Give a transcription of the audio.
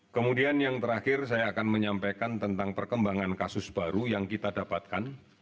kemudian yang terakhir saya akan menyampaikan tentang perkembangan kasus baru yang kita dapatkan